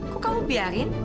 kok kamu biarin